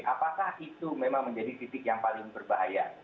apakah itu memang menjadi titik yang paling berbahaya